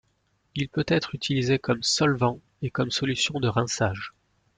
Il peut être utilisé comme solvant, et comme solution de rinçage.